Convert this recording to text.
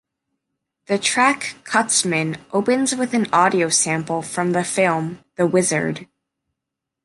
The track "Cutsman" opens with an audio sample from the film "The Wizard".